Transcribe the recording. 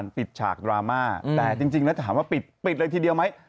พี่การปิดฉากดราม่าแต่จริงแล้วถามว่าปิดปิดเลยทีเดียวไหม